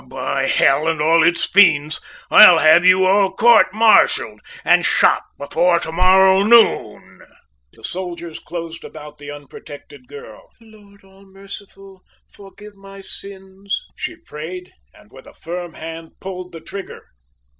Or by h l, and all its fiends, I'll have you all court martialed, and shot before to morrow noon!" The soldiers closed around the unprotected girl. "Lord, all merciful! forgive my sins," she prayed, and with a firm hand pulled the trigger!